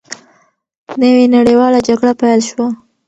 نوې نړیواله جګړه پیل شوه.